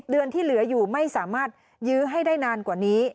เดือนที่เหลืออยู่ไม่สามารถยื้อให้ได้นานกว่านี้